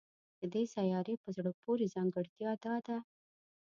د دې سیارې په زړه پورې ځانګړتیا دا ده